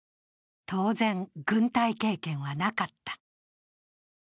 当然、軍隊経験はなかった。